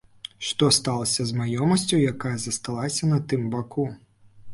Што сталася з маёмасцю, якая засталася на тым баку?